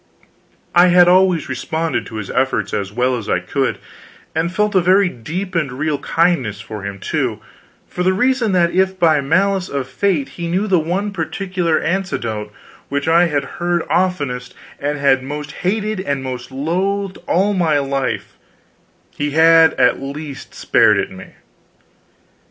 I had always responded to his efforts as well as I could, and felt a very deep and real kindness for him, too, for the reason that if by malice of fate he knew the one particular anecdote which I had heard oftenest and had most hated and most loathed all my life, he had at least spared it me.